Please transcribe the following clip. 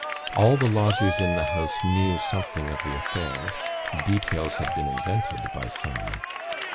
All the lodgers in the house knew something of the affair; details had been invented by some.